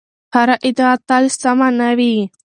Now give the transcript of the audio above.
هره ادعا تل سمه نه وي.